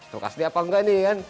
tungkas dia apa enggak nih kan